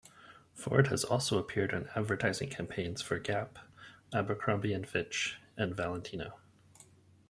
Ford has also appeared in advertising campaigns for Gap, Abercrombie and Fitch, and Valentino.